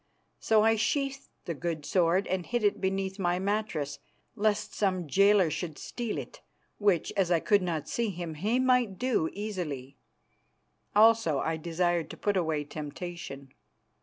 So I sheathed the good sword and hid it beneath my mattress lest some jailer should steal it, which, as I could not see him, he might do easily. Also I desired to put away temptation.